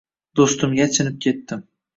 Doʻstimga achinib ketdim.